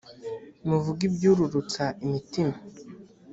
muvuge ibyururutsa imitima